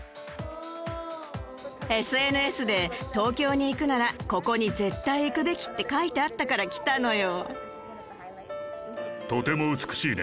ＳＮＳで東京に行くならここに絶対行くべきって書いてあったから来たのよ。